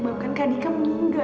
ntar ntar ntar ngomong aja